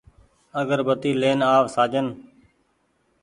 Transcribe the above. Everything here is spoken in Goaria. آگربتي لين آ و سآجن